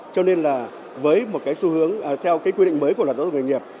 cho nên là với một cái xu hướng theo cái quy định mới của luật giáo dục nghề nghiệp